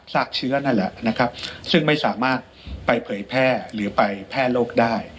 เชื้อนั่นแหละนะครับซึ่งไม่สามารถไปเผยแพร่หรือไปแพร่โรคได้